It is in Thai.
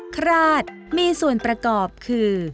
คราดมีส่วนประกอบคือ